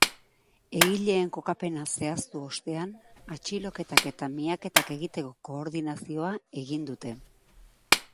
Egileen kokapena zehaztu ostean, atxiloketak eta miaketak egiteko koordinazioa egin dute.